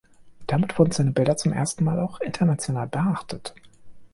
Damit wurden seine Bilder zum ersten Mal auch international beachtet.